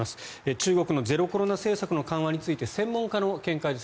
中国のゼロコロナ政策の緩和について専門家の見解です。